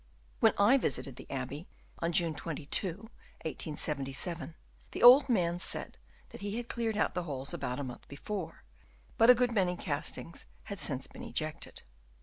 When I visited the abbey on June 22, 1877, the old man said that he had cleared out the holes about a month before, but a good many castings had since been ejected.